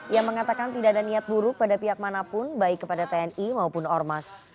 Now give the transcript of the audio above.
ia mengatakan tidak ada niat buruk pada pihak manapun baik kepada tni maupun ormas